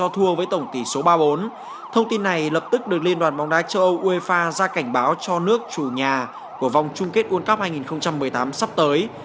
thông tin này lập tức được liên đoàn bóng đá châu âu uefa ra cảnh báo cho nước chủ nhà của vòng chung kết world cup hai nghìn một mươi tám sắp tới